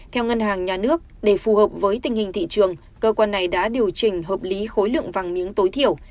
theo ngân hàng nhà nước để phù hợp với tình hình thị trường cơ quan này đã điều chỉnh hợp lý khối lượng vàng miếng tối thiểu